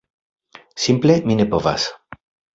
Simple mi ne povas.